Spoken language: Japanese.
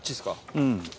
うん。